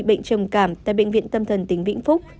bệnh trầm cảm tại bệnh viện tâm thần tỉnh vĩnh phúc